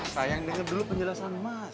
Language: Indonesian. sayang dengar dulu penjelasan mas